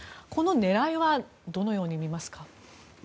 この狙いはどのように見ますか。